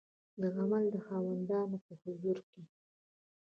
د عمل د خاوندانو په حضور کې